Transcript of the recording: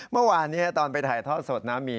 เมื่อวานนี้ตอนไปถ่ายทอดสดนะ